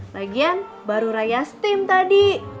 lagian baru raya steam tadi